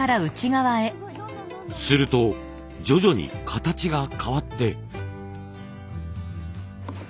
すると徐々に形が変わって。